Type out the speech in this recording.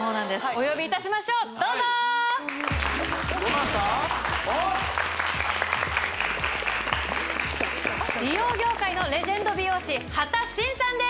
お呼びいたしましょうどうぞ美容業界のレジェンド美容師波多晋さんです